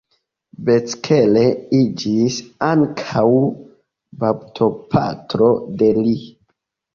Becker iĝis ankaŭ baptopatro de li.